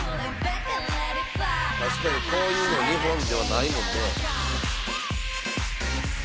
「確かにこういうの日本ではないもんね」